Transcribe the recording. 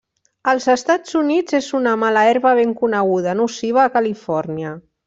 Als Estats Units és una mala herba ben coneguda nociva a Califòrnia.